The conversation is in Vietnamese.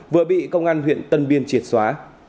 vừa bị công an huyện tân biên triệt xóa